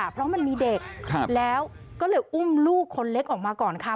เพราะมันมีเด็กแล้วก็เลยอุ้มลูกคนเล็กออกมาก่อนค่ะ